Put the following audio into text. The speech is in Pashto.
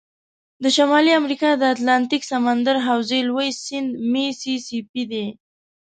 د شمال امریکا د اتلانتیک سمندر حوزې لوی سیند میسی سی پي دی.